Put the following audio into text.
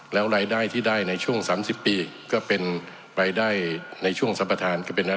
แล้วรายได้ที่ได้ในช่วงสามสิบปีก็เป็นรายได้ในช่วงศัพทานก็เป็น